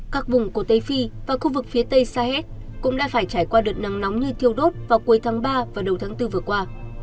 các vùng của tây phi và khu vực phía tây sahez cũng đã phải trải qua đợt nắng nóng như thiêu đốt vào cuối tháng ba và đầu tháng bốn vừa qua